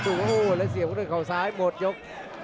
ดูโว้ยแล้วเสียบน้อยข่าวซ้ายหมดยก